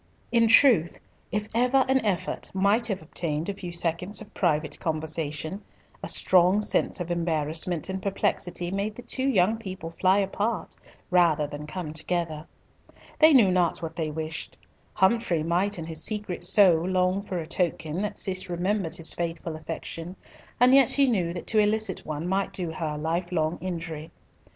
In truth, if ever an effort might have obtained a few seconds of private conversation, a strong sense of embarrassment and perplexity made the two young people fly apart rather than come together. They knew not what they wished. Humfrey might in his secret soul long for a token that Cis remembered his faithful affection, and yet he knew that to elicit one might do her life long injury.